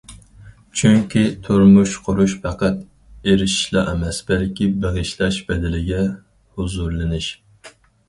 چۈنكى تۇرمۇش قۇرۇش پەقەت ئېرىشىشلا ئەمەس، بەلكى بېغىشلاش بەدىلىگە ھۇزۇرلىنىش.